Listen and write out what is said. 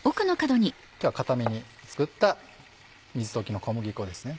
今日はかために作った水溶きの小麦粉ですね